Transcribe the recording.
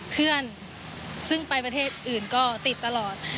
เพื่อนซึ่งไปประเทศอื่นก็ติดตลอด